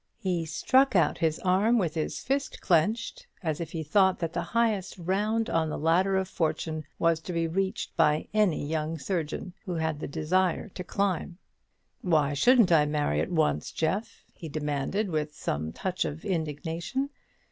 He struck out his arm, with his fist clenched, as if he thought that the highest round on the ladder of fortune was to be reached by any young surgeon who had the desire to climb. "Why shouldn't I marry at once, Jeff?" he demanded, with some touch of indignation.